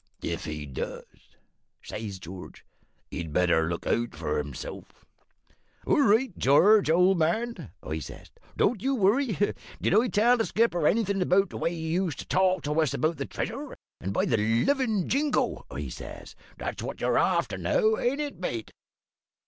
"`If he does,' says George, `he'd better look out for hisself!' "`All right, George, old man,' I says; `don't you worry. Did I tell the skipper anything about the way you used to talk to us about the treasure and, by the livin' Jingo,' I says, `that's what you're after now, ain't it, mate?'